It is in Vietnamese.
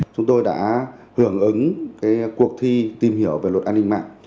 chúng tôi đã hưởng ứng cuộc thi tìm hiểu về luật an ninh mạng